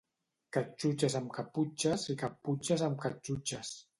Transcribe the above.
Catxutxes amb caputxes i caputxes amb catxutxes.